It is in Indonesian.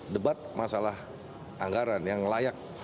debat masalah anggaran yang layak